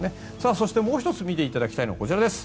そして、もう１つ見ていただきたいのがこちらです。